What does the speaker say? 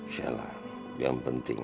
saya yang penting